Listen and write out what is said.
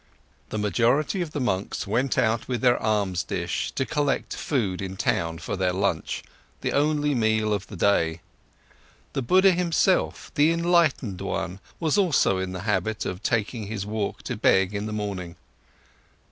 The majority of the monks went out with their alms dish, to collect food in town for their lunch, the only meal of the day. The Buddha himself, the enlightened one, was also in the habit of taking this walk to beg in the morning.